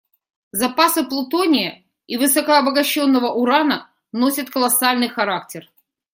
Запасы плутония и высокообогащенного урана носят колоссальный характер.